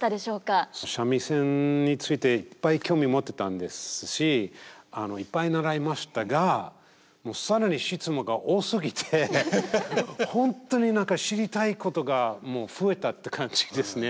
三味線についていっぱい興味持ってたんですしいっぱい習いましたが更に質問が多すぎて本当に何か知りたいことがもう増えたって感じですね。